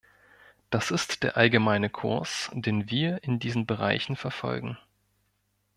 Das ist der allgemeine Kurs, den wir in diesen Bereichen verfolgen.